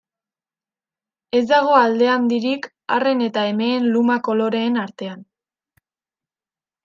Ez dago alde handirik arren eta emeen luma-koloreen artean.